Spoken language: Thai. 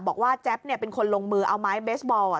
บอกว่าแจ็ปนี่เป็นคนลงมือเอาไม้เบสบอล